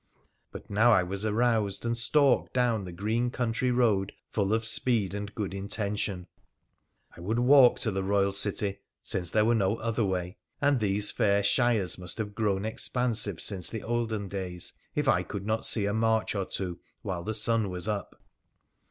But now I was aroused, and stalked down the green country road full of speed and good intention. I would walk to the Royal city, since there were no other way, and these fair shires must have grown expansive since the olden days if I could not see a march or two while the sun was up.